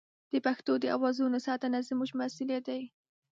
د پښتو د اوازونو ساتنه زموږ مسوولیت دی.